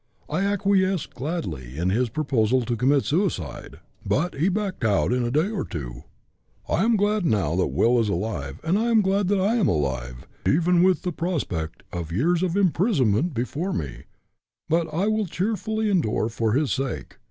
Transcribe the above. I acquiesced gladly in this proposal to commit suicide, but he backed out in a day or two. I am glad now that Will is alive, and am glad that I am alive, even with the prospect of years of imprisonment before me, but which I will cheerfully endure for his sake.